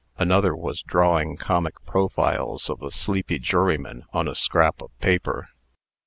Another was drawing comic profiles of a sleepy juryman on a scrap of paper.